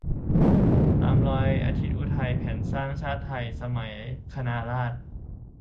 ตามรอยอาทิตย์อุทัย : แผนสร้างชาติไทยสมัยคณะราษฎร